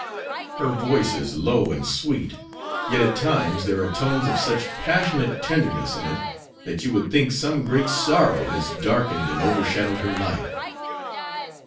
Her voice is low and sweet, yet at times there are tones of such passionate tenderness in it that you would think some great sorrow has darkened and overshadowed her life.